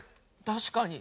確かに。